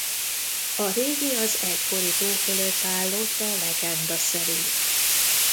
A régi az egykori tó fölött állott a legenda szerint.